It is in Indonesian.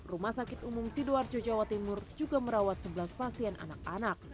rumah sakit umum sidoarjo jawa timur juga merawat sebelas pasien anak anak